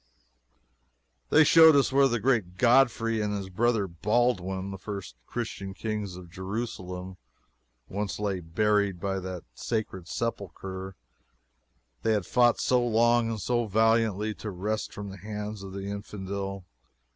They showed us where the great Godfrey and his brother Baldwin, the first Christian Kings of Jerusalem, once lay buried by that sacred sepulchre they had fought so long and so valiantly to wrest from the hands of the infidel.